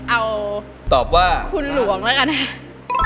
เอาคุณหลวงด้วยกันฮะ